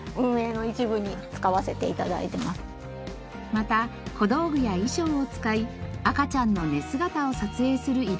また小道具や衣装を使い赤ちゃんの寝姿を撮影するイベントも開催。